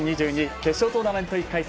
決勝トーナメント１回戦